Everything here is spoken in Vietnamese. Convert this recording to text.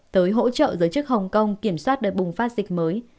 tới hỗ trợ giới chức hồng kông kiểm soát đợt bùng phát dịch mới